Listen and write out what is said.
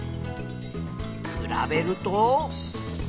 比べると。